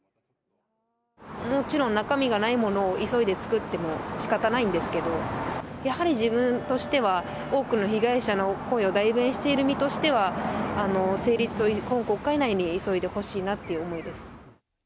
もちろん中身がないものを急いで作ってもしかたないんですけど、やはり自分としては、多くの被害者の声を代弁している身としては、成立を、今国会内に急いでほしいなという思いです。